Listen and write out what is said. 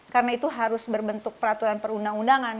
karena itu harus berbentuk peraturan perundang undangan